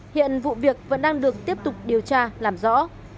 hiện vụ việc vẫn đang được tiếp tục điều tra làm rõ